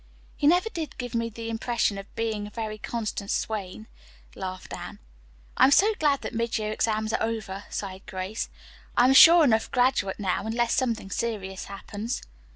"He never did give me the impression of being a very constant swain," laughed Anne. "I'm so glad that mid year exams are over," sighed Grace. "I'm a sure enough graduate now, unless something serious happens."